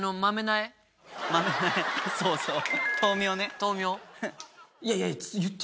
そうそう！